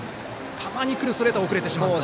たまに来るストレートには遅れてしまうと。